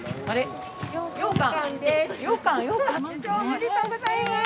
受賞おめでとうございます！